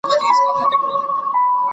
کتابونه د زده کوونکو له خوا لوستل کيږي؟